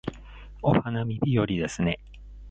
お花見日和ですね